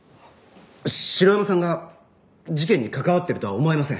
城山さんが事件に関わってるとは思えません。